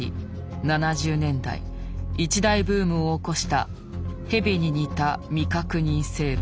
７０年代一大ブームを起こした蛇に似た未確認生物。